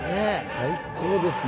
最高ですね。